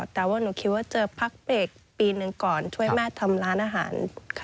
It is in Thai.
แต่ว่าหนูคิดว่าเจอพักเบรกปีหนึ่งก่อนช่วยแม่ทำร้านอาหาร